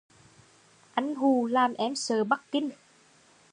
Anh hù làm em sợ bắt kinh